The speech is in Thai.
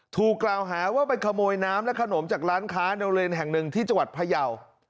ถูกกล่าวหาว่าไปขโมยน้ำและขนมจากร้านค้าในโรงเรียนแห่งหนึ่งที่จังหวัดพยาว